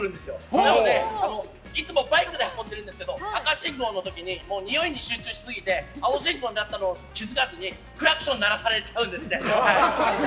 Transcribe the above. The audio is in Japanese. なのでいつもバイクで運んでいるんですけど赤信号の時ににおいに集中しすぎて青信号になったのに気付かなくてクラクションを鳴らされちゃうんですね。